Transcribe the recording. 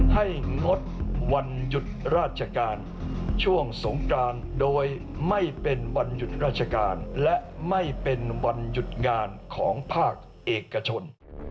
งดวันหยุดราชการช่วงสงกรานโดยไม่เป็นวันหยุดราชการและไม่เป็นวันหยุดงานของภาคเอกชน